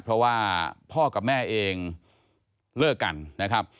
เพราะว่าพ่อกับแม่เองเลิกกันนะครับ